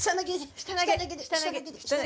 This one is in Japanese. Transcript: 下投げで。